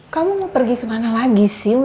kamu mau pergi kemana lagi sih